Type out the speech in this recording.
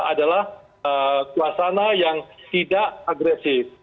adalah suasana yang tidak agresif